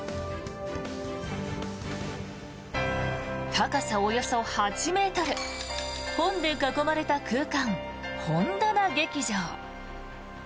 高さおよそ８ｍ本で囲まれた空間、本棚劇場。